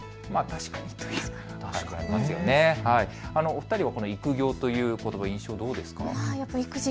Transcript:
お二人は育業ということばの印象、どうですか。